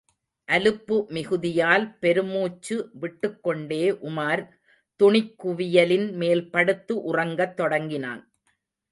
அலுப்பு மிகுதியால் பெருமூச்சு விட்டுக்கொண்டே உமார் துணிக் குவியலின் மேல்படுத்து உறங்கத் தொடங்கினான்.